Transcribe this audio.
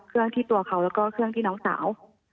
เครื่องที่ตัวเขาแล้วก็เครื่องที่น้องสาว